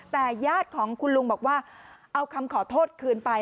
แต่ญาติของคุณลุงบอกว่าเอาคำขอโทษคืนไป